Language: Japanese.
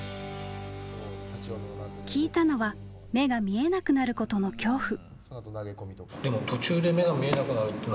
聞いたのは目が見えなくなることの恐怖。